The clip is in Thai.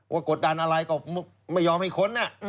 กดดันอะไรก็ไม่ยอมให้ค้น